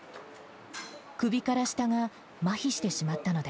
首から下がまひしてしまったので